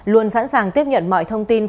luôn sẵn sàng tiếp nhận mọi thông tin